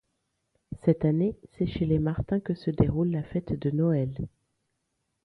Cette année, c’est chez Martin que se déroule la fête de Noël.